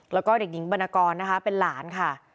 แล้วก็เด็กหญิงบรรณกรนะคะเป็นหลานค่ะ